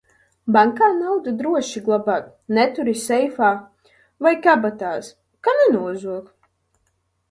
Bankā naudu droši glabāt, neturi seifā vai kabatās, ka nenozog!